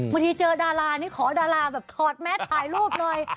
วันนี้เจอดารานี่ขอดาราแบบถอดแมสถ่ายรูปเลย